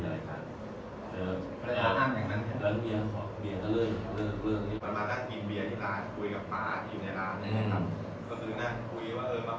ก็ต้องเข้าใจว่าความบานของมันจะทำให้กลาฟระยะหยิบเยี่ยมบ้านมันสามารถที่เรา